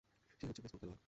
সে হচ্ছে বেসবল খেলোয়াড়।